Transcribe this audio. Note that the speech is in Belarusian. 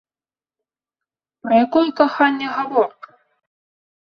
Пра якое каханне гаворка?